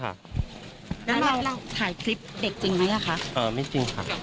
เราถ่ายคลิปเด็กจริงไหมท่ะไม่จริงค่ะ